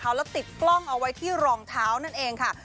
แล้วติดกล้องเอาไว้ที่รองเท้านั่นเองค่ะ